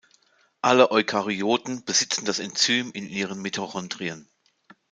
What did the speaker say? Alle Eukaryoten besitzen das Enzym in ihren Mitochondrien.